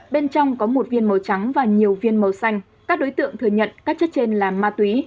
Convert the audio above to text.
bên trong có một viên màu trắng và nhiều viên màu xanh các đối tượng thừa nhận các chất trên là ma túy